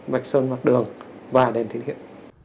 vạch sơn mặt đường và đèn thiên hiệu